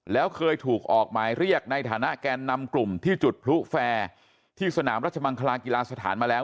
แล้วเคยถูกออกหมายเรียกในฐานะแกนนำกลุ่มที่จุดพลุแฟร์ที่สนามรัชมังคลากีฬาสถานมาแล้ว